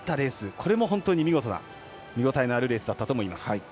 これも本当に見事な見応えのあるレースだったと思います。